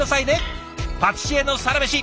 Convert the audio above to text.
パティシエのサラメシ